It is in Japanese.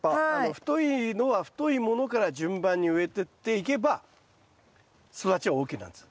太いのは太いものから順番に植えてっていけば育ちは大きくなるんです。